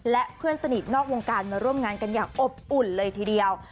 และเพื่อนสนิทนอกวงการมาร่วมงานกันอย่างอบอุ่นเลยทีเดียว